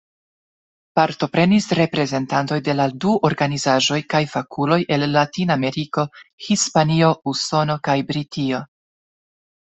Partoprenis reprezentantoj de la du organizaĵoj kaj fakuloj el Latinameriko, Hispanio, Usono kaj Britio.